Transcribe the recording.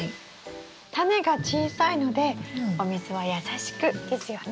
タネが小さいのでお水は優しくですよね？